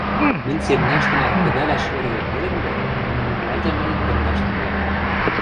Мӹнь семняштӹнӓ кӹдӓлӓш эргӹ ыльым дӓ, ӓтям мӹньӹм тымдаш тӹнгӓльӹ.